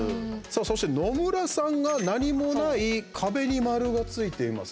そして、野村さんが何もない壁に丸がついています。